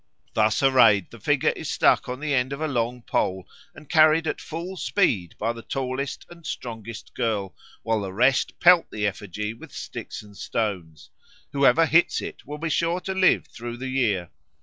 Thus arrayed the figure is stuck on the end of a long pole and carried at full speed by the tallest and strongest girl, while the rest pelt the effigy with sticks and stones. Whoever hits it will be sure to live through the year.